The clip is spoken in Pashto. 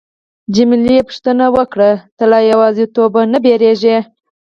جميله پوښتنه وکړه: ته له یوازیتوب نه ډاریږې؟